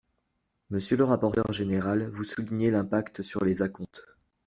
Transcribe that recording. Monsieur le rapporteur général, vous soulignez l’impact sur les acomptes.